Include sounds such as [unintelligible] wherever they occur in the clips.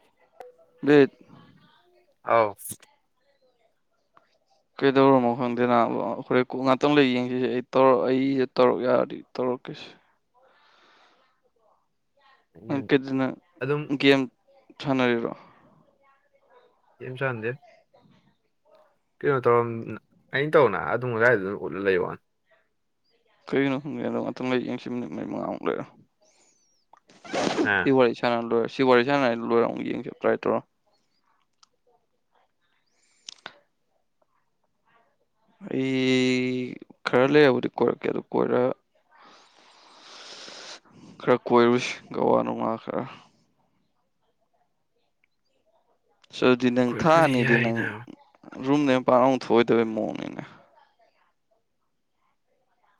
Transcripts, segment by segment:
[unintelligible] ꯑꯥꯎ ꯀꯩꯗꯧꯔꯝꯃꯣ ꯈꯪꯗꯦ ꯅꯥꯕ ꯍꯣꯔꯦꯟ ꯀꯣꯛ ꯉꯥꯛꯇꯪ ꯂꯩ ꯌꯦꯡꯁꯤꯁꯦ ꯑꯩ ꯇꯧꯔꯛꯄ ꯑꯩꯁꯦ ꯇꯧꯔꯛ ꯌꯥꯔꯗꯤ ꯇꯧꯔ ꯀꯦ ꯅꯪ ꯎꯝ ꯀꯩꯗꯅ ꯑꯗꯨꯝ ꯒꯦꯝ ꯁꯥꯟꯅꯔꯤꯔꯣ ꯒꯦꯝ ꯁꯥꯟꯅꯗꯦ ꯀꯩꯅꯣ ꯇꯧꯔꯝ ꯑꯩꯅ ꯇꯧꯅ ꯑꯗꯨꯝ ꯑꯗꯨꯗꯥꯏꯗ ꯎꯠꯂ ꯂꯩꯋꯥꯅꯤ ꯀꯔꯤꯒꯤꯅꯣ ꯈꯪꯗ ꯑꯗꯣ ꯉꯊꯪ ꯂꯩ ꯌꯦꯡꯈꯤꯅꯤ ꯃꯤꯅꯤꯠ ꯃꯔꯤ ꯃꯉꯥꯃꯨꯛ ꯂꯩꯔꯣ ꯑꯥ ꯁꯤ ꯋꯥꯔꯤ ꯁꯥꯟꯅ ꯂꯣꯏꯔ ꯁꯤ ꯋꯥꯔꯤ ꯁꯥꯟꯅ ꯂꯣꯏꯔꯣ ꯑꯃꯨꯛ ꯌꯦꯡꯁꯤ ꯇ꯭ꯔꯥꯏ ꯇꯧꯔ ꯑꯩ ꯈꯔ ꯂꯩꯕꯨꯗꯤ ꯀꯣꯏꯔꯛꯀꯦ ꯑꯗꯨ ꯀꯣꯏꯔ ꯈꯔ ꯀꯣꯏꯔꯨꯁꯤ ꯒꯋꯥ ꯅꯨꯡꯋꯥ ꯈꯔ ꯆꯠꯗꯤ ꯅꯪ ꯀꯣꯏꯔꯛꯄꯨꯗꯤ ꯊꯥꯛꯑꯅꯤꯗꯤ ꯅꯪ ꯌꯥꯏꯅ ꯔꯨꯝꯗ ꯃꯄꯥꯟ ꯑꯃꯨꯛ ꯊꯣꯛꯑꯏꯗꯕꯩ ꯃꯑꯣꯡꯅꯤꯅꯦ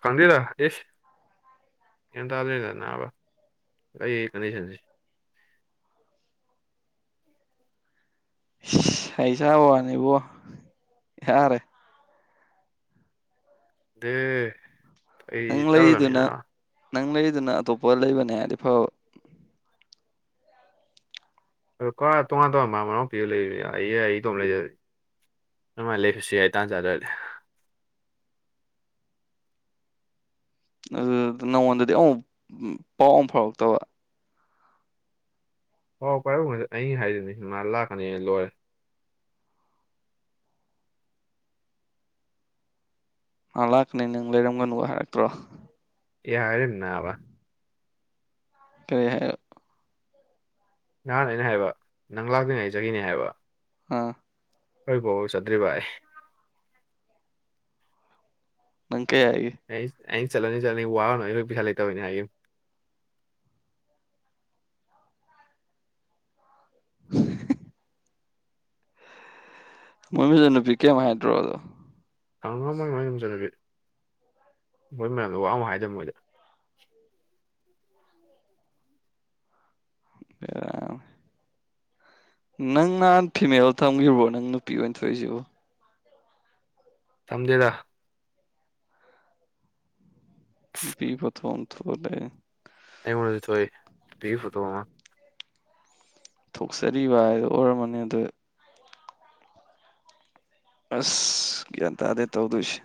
ꯀꯥꯟꯗꯔꯥ ꯑꯦꯁ ꯒꯤꯌꯥꯟ ꯇꯥꯗꯦꯗ ꯅꯥꯕ ꯑꯩ ꯀꯟꯗꯤꯁꯟꯁꯤ ꯍꯩꯁꯥꯕꯋꯥꯅꯤꯕꯣ ꯌꯥꯔꯦ ꯗ ꯅꯪ ꯑꯩꯖꯦ ꯂꯩꯔꯤꯗꯨꯅ ꯇꯜꯂꯃꯤꯅꯕ ꯅꯪ ꯂꯩꯔꯤꯗꯅ ꯑꯇꯣꯞꯄ ꯂꯩꯕꯅꯦ ꯍꯥꯏꯗꯤ ꯐꯕ ꯑꯗꯨ ꯇꯣꯉꯥꯟ ꯇꯣꯉꯥꯟꯕ ꯃꯥ ꯃꯅꯥꯎꯄꯤꯕꯥꯒ ꯂꯩꯔ ꯑꯩ ꯏꯗꯣꯝ ꯂꯩꯖꯦ ꯑꯗꯨꯃꯥꯏꯅ ꯂꯩꯕꯁꯨ ꯌꯥꯏ ꯇꯥꯟ ꯆꯥꯗ꯭ꯔꯗꯤ ꯑꯗꯨꯗ ꯅꯪꯉꯣꯟꯗꯗꯤ ꯑꯣꯝ ꯄꯥꯎ ꯑꯃꯨꯛ ꯐꯥꯎꯔꯛꯇꯕ ꯍꯥꯎꯔꯛꯄꯕꯨ ꯑꯩ ꯍꯥꯏꯔꯤꯅꯤ ꯃꯥ ꯂꯥꯛꯀꯅꯤ ꯂꯣꯏꯔꯦ ꯃꯥ ꯂꯥꯛꯀꯅꯤ ꯅꯪ ꯂꯩꯔꯝꯒꯅꯨ ꯍꯥꯏꯔꯛꯇ꯭ꯔꯣ ꯌꯥꯔꯦ ꯅꯥꯕ ꯀꯩ ꯍꯥꯢꯕ ꯅꯍꯥꯟ ꯑꯩꯅ ꯍꯥꯏꯕ ꯅꯪ ꯂꯥꯛꯇ꯭ꯔꯤꯉꯩ ꯆꯠꯈꯤꯅꯤ ꯍꯥꯏꯕ ꯑꯥ ꯍꯣꯏꯕꯣ ꯆꯠꯇ꯭ꯔꯤ ꯚꯥꯏ ꯅꯪ ꯀꯩ ꯍꯥꯏꯒꯤ ꯑꯩ ꯑꯩꯅ ꯆꯠꯂꯅꯤ ꯆꯠꯂꯅꯤ ꯋꯥꯅꯣꯏ ꯑꯩꯈꯣꯏ ꯄꯩꯁꯥ ꯂꯩꯇꯕꯅꯦ ꯍꯥꯏꯈꯤꯕꯅꯦ [unintelligible] ꯃꯃꯤꯁꯨ ꯅꯨꯄꯤ ꯀꯩꯝ ꯍꯥꯏꯗ꯭ꯔꯣꯗꯣ ꯍꯪꯉꯝꯃꯒ ꯃꯣꯏ ꯃꯌꯨꯝ ꯆꯠꯂꯒꯦ ꯃꯣꯏ ꯃꯌꯥꯝꯗ ꯋꯥ ꯑꯃ ꯍꯥꯏꯗ ꯃꯣꯏꯗ [unintelligible] ꯅꯪ ꯅꯍꯥꯟ ꯐꯤꯃꯦꯜ ꯊꯝꯈꯤꯕꯣ ꯅꯪ ꯅꯨꯄꯤ ꯑꯣꯏꯅ ꯊꯣꯛꯏꯁꯤꯕꯣ ꯊꯝꯗꯦꯗ ꯅꯨꯄꯤ ꯐꯣꯇꯣ ꯑꯝ ꯊꯣꯛ ꯂꯩꯔꯦꯅꯦ ꯑꯩꯉꯣꯟꯗꯁꯨ ꯊꯣꯛꯑꯦ ꯅꯨꯄꯤ ꯐꯣꯇꯣ ꯑꯃ ꯊꯣꯛꯆꯔꯤꯕ ꯍꯥꯏꯗꯣ ꯑꯣꯏꯔꯝꯃꯅꯤ ꯑꯗꯨꯗꯤ ꯑꯁ ꯒ꯭ꯌꯥꯟ ꯇꯥꯗꯦ ꯇꯧꯗꯣꯢꯁꯦ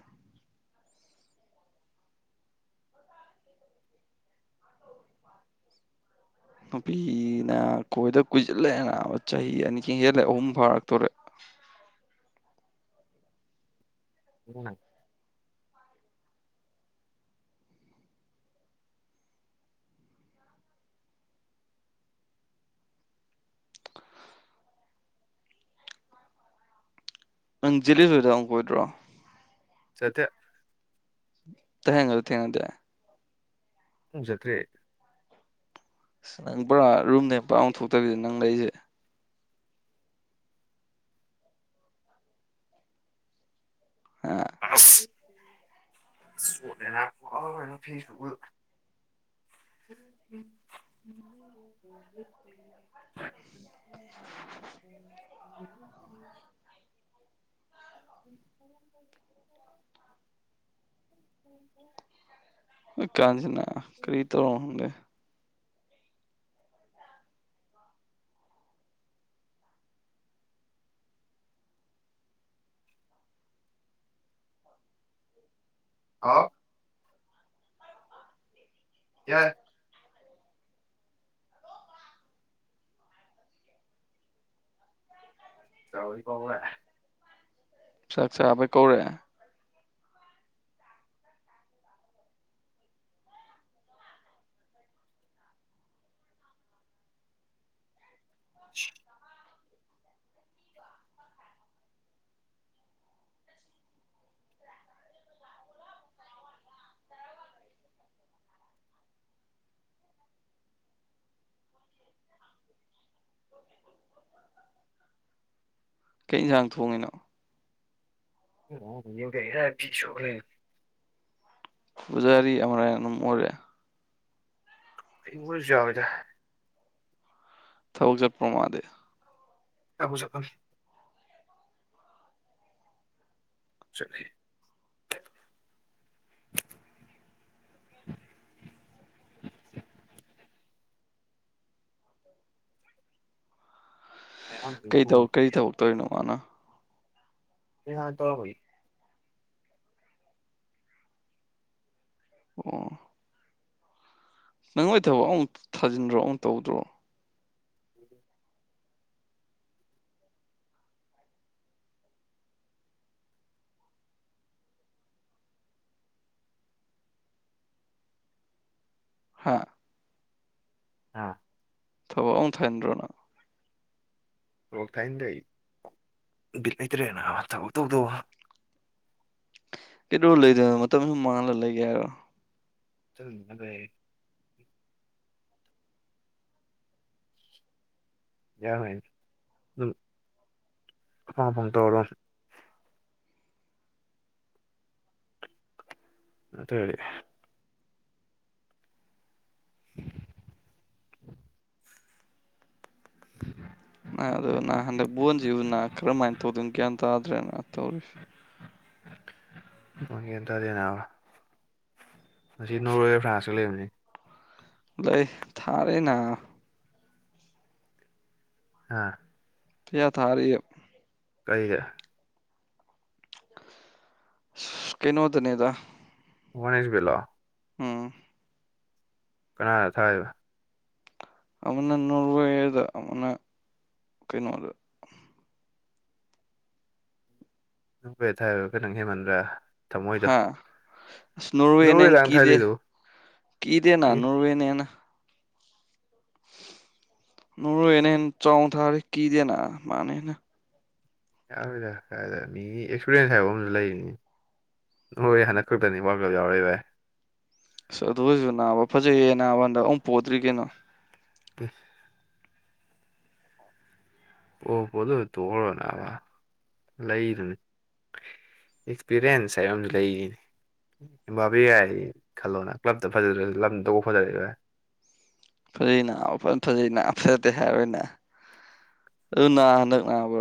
ꯅꯨꯄꯤꯅ ꯀꯣꯏꯗ ꯀꯨꯏꯁꯜꯂꯛꯑꯦ ꯅꯕ ꯆꯍꯤ ꯑꯅꯤ ꯍꯦꯜꯂꯦ ꯑꯍꯨꯝ ꯐꯥꯔꯛꯇꯣꯔꯦ [inaudible] [unintelligible] ꯅꯪ ꯖꯦꯜꯂꯤꯗꯨꯗ ꯑꯝ ꯀꯣꯏꯗ꯭ꯔꯣ ꯆꯠꯇꯦ ꯊꯦꯡꯉꯁꯨ ꯊꯦꯡꯉꯗꯦ ꯖꯗ꯭ꯔꯦ ꯑꯁ ꯅꯪ ꯄꯨꯔꯥ ꯔꯨꯝꯗꯩ ꯃꯄꯥꯟ ꯑꯝ ꯊꯣꯛꯇꯕꯤ ꯅꯪ ꯂꯩꯔꯤꯁꯦ ꯑ ꯑꯁ [unintelligible] [unintelligible] [inaudible] [inaudible] [inaudible] [unintelligible] ꯃꯤꯏ ꯀꯥꯡꯁꯤꯅ ꯀꯔꯤ ꯇꯧꯔꯝꯂꯦ ꯍꯥꯎ ꯌꯥꯏ ꯆꯥꯎꯏ ꯄꯧꯔꯦ ꯆꯥꯛꯆꯥꯕꯩ ꯀꯧꯔꯛꯑꯦ [inaudible] ꯀꯩ ꯏꯟꯖꯥꯡ ꯊꯣꯡꯉꯤꯅꯣ [unintelligible] ꯐꯤꯁꯨꯒ ꯂꯩ ꯄꯨꯖꯥꯔꯤ ꯑꯃꯔꯥꯢ ꯑꯗꯨꯝ ꯑꯣꯏꯔꯦ ꯑꯩ ꯃꯣꯢꯁꯨ ꯌꯥꯎꯋꯦꯗ ꯊꯕꯛ ꯆꯠꯄ꯭ꯔꯣ ꯃꯥꯗꯤ ꯑꯕꯨꯨ [unintelligible] ꯆꯠꯂꯦ [inaudible] [inaudible] ꯑꯩ ꯍꯥꯟꯅ ꯀꯩ ꯇꯧꯔꯛ ꯀꯩ ꯇꯧꯗꯣꯢꯅꯣ ꯃꯥꯅ [unintelligible] ꯑꯣ ꯅꯪꯉꯣꯏ ꯊꯕꯛ ꯑꯃꯨꯛ ꯊꯥꯖꯤꯟꯗ꯭ꯔꯣ ꯑꯃꯨꯛ ꯇꯧꯗ꯭ꯔꯣ [inaudible] ꯍꯥꯥ ꯅ ꯊꯣꯛ ꯑꯃꯨꯛ ꯊꯦꯟꯕ꯭ꯔꯣ [unintelligible] ꯕꯤꯠ ꯂꯩꯇ꯭ꯔꯦ ꯅꯥꯕꯥ ꯊꯕꯛ ꯇꯧꯗꯧ ꯀꯩꯗꯧꯔ ꯂꯩꯗꯣꯏꯅꯣ ꯃꯇꯝ ꯁꯨꯝ ꯃꯥꯡꯂ ꯂꯩꯒꯦ ꯍꯥꯏꯔꯣ [unintelligible] ꯌꯥꯔꯦ ꯗꯨꯝ ꯑꯐꯪ ꯑꯐꯪ ꯇꯧꯔꯣ ꯑꯗꯨꯑꯣꯢꯔꯗꯤ ꯅ ꯑꯗꯨ ꯅ ꯍꯟꯗꯛ ꯕꯣꯟꯁꯤꯕꯨꯅ ꯀꯔꯝꯍꯥꯏꯅ ꯇꯧꯗꯣꯏꯅꯣ ꯒ꯭ꯌꯥꯟ ꯇꯥꯗ꯭ꯔꯦꯅ ꯇꯧꯔꯤꯁꯤ ꯕꯣꯜ ꯒ꯭ꯌꯥꯟ ꯇꯥꯗꯦ ꯅꯥꯕꯥ ꯑꯁꯤ ꯅꯣꯔꯋꯦ ꯐ꯭ꯔꯥꯟꯁꯨ ꯂꯩꯕꯅꯦ ꯑꯗꯣ ꯑꯩ ꯊꯥꯔꯦꯅ ꯑꯥ ꯀꯌꯥ ꯊꯥꯔꯤꯌꯣ ꯀꯩꯒꯦ ꯁꯁ ꯀꯩꯅꯣꯗꯅꯦꯗ ꯋꯥꯟ ꯑꯦꯛꯁ ꯚꯦꯠ ꯂꯣ ꯎꯝ ꯀꯅꯥꯗ ꯊꯥꯔꯤꯕ ꯑꯃꯨꯅ ꯅꯣꯔꯋꯦꯗ ꯑꯃꯨꯅ ꯀꯩꯅꯣꯗ ꯅꯪ ꯀꯩ ꯊꯥ ꯍꯥꯏꯕ ꯀ ꯅꯪ ꯃꯗ꯭ꯔꯥ ꯍꯥꯥ ꯑꯁ ꯅꯣꯔꯋꯦꯅ ꯅꯣꯔꯋꯦꯗꯥꯡ ꯍꯦꯟꯀꯤꯗꯦ ꯊꯥꯏꯂꯤꯗꯨꯕꯨ ꯀꯤꯗꯦ ꯅ ꯑꯦ ꯅꯣꯔꯋꯦꯅ ꯍꯦꯟꯅ ꯅꯣꯔꯋꯦꯅ ꯍꯦꯟ ꯆꯥꯎꯊꯥꯔꯦ ꯀꯤꯗꯦꯅ ꯃꯥꯅꯥ ꯍꯦꯟꯅ ꯌꯥꯔꯣꯗ ꯀꯥꯏꯗꯩ ꯃꯤꯒꯤ ꯑꯦꯛꯁꯄꯤꯔꯤꯌꯦꯟꯁ ꯍꯥꯏꯕ ꯑꯃꯁꯨ ꯂꯩꯔꯤꯅꯤ ꯍꯣꯏ ꯍꯟꯗꯛ ꯈꯛꯇꯅꯤ ꯋꯥꯜꯀꯞ ꯌꯥꯎꯔꯛꯏ ꯚꯥꯢ ꯑꯁ ꯑꯗꯨ ꯑꯣꯏꯔꯁꯨ ꯅꯥꯕ ꯐꯖꯩꯌꯦ ꯅꯥꯕ ꯍꯟꯗꯛ ꯑꯃꯨꯛ ꯄꯣꯗ꯭ꯔꯤ ꯀꯩꯅꯣ ꯇꯦ ꯑꯣ ꯄꯣꯗꯅ ꯇꯣꯑꯔꯣꯏ ꯅꯥꯕꯥ ꯂꯩꯗꯨꯅꯤ ꯑꯦꯛꯁꯄꯤꯔꯤꯌꯦꯟꯁ ꯍꯥꯏꯕ ꯑꯃꯁꯨ ꯂꯩꯔꯤꯅꯤ ꯥꯑꯦꯝꯙꯄꯦ ꯌꯥꯏ ꯈꯜꯂꯣꯅ ꯀ꯭ꯂꯞꯇ ꯐꯖꯗ꯭ꯔꯁꯨ ꯀꯅ ꯇꯧꯕ ꯐꯖꯔ ꯂꯣꯏꯔꯦ ꯐꯖꯩꯅꯕ ꯐꯖꯩꯅ ꯐꯖꯗꯦ ꯍꯥꯏꯔꯣꯢ ꯑꯩꯅ ꯑꯗꯨꯅ ꯍꯟꯗꯛ ꯅꯥꯕꯣ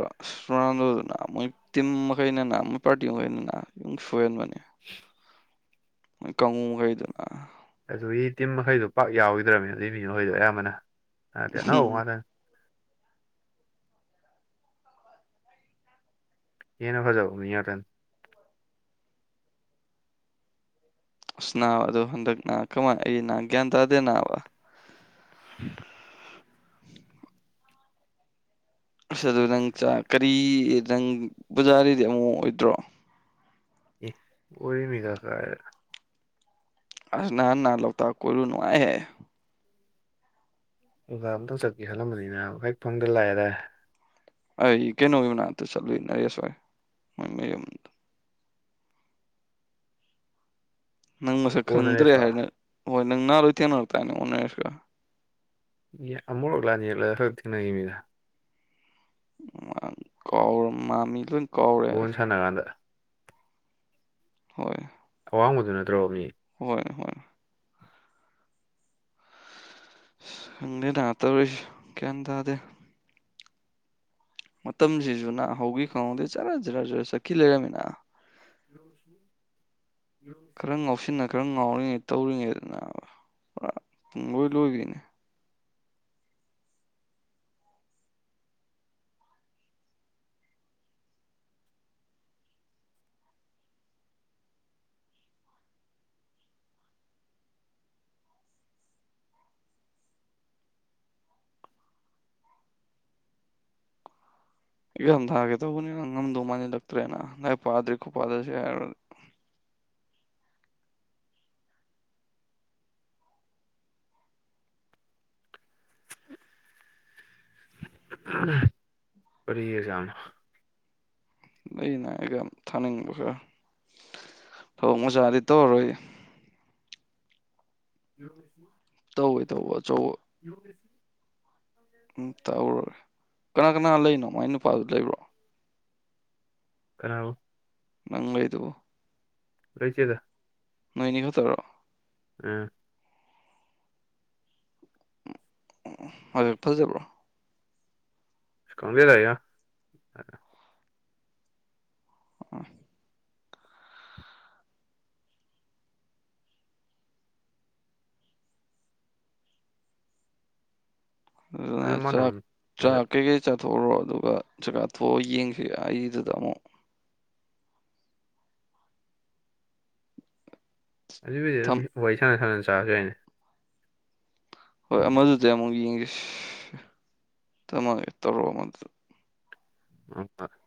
ꯔꯣꯅꯥꯜꯗꯣꯗꯨꯅ ꯃꯣꯏ ꯇꯤꯝ ꯃꯈꯩꯅ ꯃꯣꯏ ꯄꯥꯔꯇꯤ ꯃꯈ ꯂꯣꯏ ꯁꯣꯏꯍꯟꯕꯅꯦ [unintelligible] ꯃꯣꯏ ꯀꯥꯡꯉꯨ ꯈꯩꯗꯣꯅꯕ ꯑꯗꯨꯒꯤ ꯇꯤꯝ ꯃꯈꯩꯗꯣ ꯄꯥꯛ ꯌꯥꯎꯈꯤꯗ꯭ꯔꯕꯅꯤ ꯑꯗꯨꯒꯤ ꯃꯤ ꯃꯈꯩꯗꯣ ꯑꯌꯥꯝꯕꯅ ꯍꯟꯗꯛ ꯑꯅꯧꯕ ꯎꯝ ꯉꯥꯛꯇꯅꯤ ꯍꯦꯟꯅ ꯐꯖꯕ ꯃꯤ ꯉꯥꯛꯇꯅꯦ ꯑꯁ ꯅꯥꯕꯑꯗꯣ ꯍꯟꯗꯛꯅ ꯀꯃꯥꯏ ꯑꯩ ꯒ꯭ꯌꯥꯟ ꯇꯥꯗꯦ ꯅꯥꯕ [inaudible] [inaudible] ꯑꯁ ꯑꯗꯨ ꯅꯪ ꯆꯥ ꯀꯔꯤ ꯅꯪ ꯕꯖꯥꯔꯗꯩꯗꯤ ꯑꯃꯨꯛ ꯑꯣꯏꯗ꯭ꯔꯣ ꯑꯦ ꯑꯣꯏꯔꯃꯤꯗꯥ ꯀꯥꯏꯗꯩ ꯑꯁ ꯅꯍꯥꯟꯅꯥ ꯂꯣꯛꯇꯥꯛ ꯀꯣꯏꯔꯨ ꯅꯨꯡꯉꯥꯏꯍꯦ ꯑꯣꯖꯥ ꯑꯝꯇꯪ ꯆꯠꯀꯦ ꯈꯜꯂꯝꯕꯅꯤꯅ ꯍꯦꯛ ꯐꯪꯗ ꯂꯥꯛꯑꯦꯗꯥꯢ ꯑꯩ ꯀꯩꯅꯣꯒꯤ ꯃꯅꯥꯛꯇ ꯆꯠꯂꯨꯢꯅꯦ ꯑꯩ ꯉꯁꯥꯢ ꯃꯣꯢ ꯃꯌꯨꯝꯗ ꯅꯪ ꯃꯁꯛ ꯑꯣꯟꯅ ꯈꯪꯗ꯭ꯔꯦ ꯔꯦꯁꯇꯣ ꯍꯥꯏꯅ ꯍꯣꯏ ꯅꯪ ꯅꯍꯥꯟ ꯂꯣꯏ ꯊꯦꯡꯅꯔ ꯇꯥꯅꯦ ꯑꯣꯟꯅꯔꯁꯤꯒ ꯑꯦ ꯑꯃꯨꯔꯛ ꯂꯥꯟꯅꯤ ꯌꯦꯛꯂ ꯈꯔ ꯊꯦꯡꯅꯩꯌꯦꯃꯤ ꯃꯥ ꯀꯥꯎꯔ ꯃꯥ ꯃꯤꯂꯣꯢꯅ ꯕꯣꯟ ꯁꯥꯟꯅ ꯀꯥꯟꯗ ꯍꯣꯏ ꯑꯋꯥꯡꯕꯗꯨ ꯅꯠꯇ꯭ꯔꯣ ꯃꯤ ꯍꯣꯏ ꯍꯣꯏ ꯑꯁ ꯈꯪꯗꯦꯗ ꯇꯧꯔꯤꯁꯦ ꯒ꯭ꯌꯥꯟ ꯇꯥꯗꯦ ꯃꯇꯝꯁꯤꯁꯨꯅ ꯍꯧꯈꯤ ꯈꯪꯍꯧꯗꯦ ꯖꯔ ꯖꯔ ꯖꯔ ꯆꯛꯈꯤ ꯂꯩꯔꯝꯃꯤꯅ [inaudible] ꯈꯔꯪ ꯉꯥꯎꯁꯤꯟꯅ ꯈꯔ ꯉꯥꯎꯔꯤꯉꯩ ꯇꯧꯔꯤꯉꯩꯗ ꯅꯥꯕ ꯄꯨꯔꯥ ꯄꯨꯡꯂꯣꯏ ꯂꯣꯏꯒꯤꯔꯅꯦ ꯑꯛꯖꯥꯝ ꯊꯥꯒꯦ ꯇꯧꯕꯅꯤ ꯉ ꯉꯝꯗꯩ ꯃꯟꯖꯤꯟ ꯂꯛꯇ꯭ꯔꯦꯅ ꯂꯥꯔꯤꯛ ꯄꯗ꯭ꯔꯤ ꯈꯣ ꯄꯗ꯭ꯔꯁꯤꯒ ꯍꯥꯢꯔꯗꯤ [unintelligible] ꯀꯔꯤ ꯑꯦꯛꯖꯥꯝ ꯂꯩꯅꯦ ꯑꯩꯒ ꯊꯥꯅꯤꯡꯕ ꯈꯔ ꯊꯕꯛ ꯃꯆꯥꯗꯤ ꯇꯧꯔꯣꯢ [unintelligible] ꯇꯧꯋꯦ ꯇꯧꯕ ꯑꯆꯧꯕ ꯎꯝ ꯇꯧꯔꯨꯔꯦ ꯀꯅꯥ ꯀꯅꯥ ꯂꯩꯅꯣ ꯃꯥꯏ ꯅꯨꯄꯥꯗꯨ ꯂꯩꯕ꯭ꯔꯣ ꯀꯅꯕꯣ ꯅꯪ ꯂꯩꯗꯨꯕꯣ ꯂꯩꯇꯦꯗ ꯅꯣꯏꯅꯤ ꯈꯛꯇꯔꯣ ꯎꯝ ꯍꯣꯏ ꯐꯖꯕ꯭ꯔꯣ ꯑꯁ ꯈꯪꯗꯦꯗ ꯌꯥ ꯑꯣ ꯂꯥ ꯑꯗꯨꯝ ꯆꯥꯛ ꯃꯥꯟꯅꯕꯅꯤ ꯃꯁꯛ ꯆꯥꯛ ꯀꯩꯀꯩ ꯆꯥ ꯊꯣꯛꯎꯔꯣ ꯑꯗꯨꯒ ꯆꯥꯛ ꯊꯣꯛꯑ ꯌꯦꯡꯁꯤ ꯑꯩꯒ ꯗꯨꯗ ꯑꯃꯨꯛ ꯑꯗꯨꯕꯨꯗꯤ ꯑꯗꯨꯝ ꯊꯝ ꯋꯥꯔꯤ ꯁꯅ ꯆꯥꯔꯁꯨ ꯌꯥꯏꯅꯦ ꯍꯣꯏ ꯑꯃꯗꯨꯗꯤ ꯑꯃꯨꯛ ꯌꯦꯡꯒ ꯊꯝꯃꯒꯦ ꯇꯧꯔꯛꯑꯣ ꯑꯃꯗꯨꯗ ꯑꯣꯄ [unintelligible]